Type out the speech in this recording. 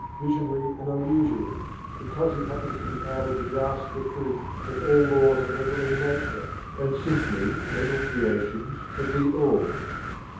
visionary and illusory, because he happens to be able to grasp the truth that the Laws are Mental in nature, and simply Mental Creations of THE ALL.